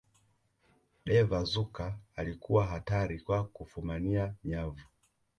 davor suker alikuwa hatari kwa kufumania nyavu